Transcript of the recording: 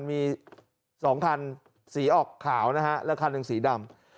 มี๒คันสีออกขาวนะฮะแล้วคันหนึ่งสีดำ